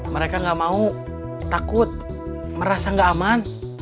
mereka gak mau takut merasa gak aman